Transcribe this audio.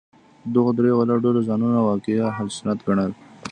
دغو درې واړو ډلو ځانونه واقعي اهل سنت ګڼل.